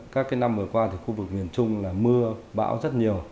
các năm vừa qua thì khu vực miền trung là mưa bão rất nhiều